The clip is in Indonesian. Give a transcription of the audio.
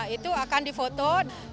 itu akan difoto